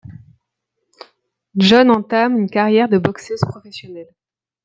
John entame une carrière de boxeuse professionnelle.